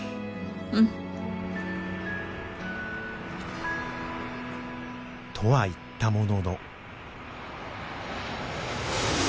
うん。とは言ったものの。